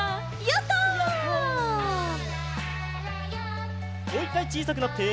もう１かいちいさくなって。